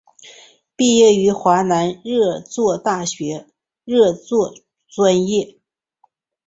毕业于华南热作大学热作专业。